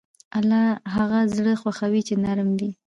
الله هغه زړه خوښوي چې نرم وي.